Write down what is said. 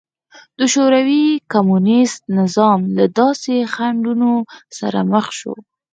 د شوروي کمونېست نظام له داسې خنډونو سره مخ شو